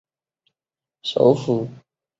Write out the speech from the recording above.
杜拉基什为该区的首府。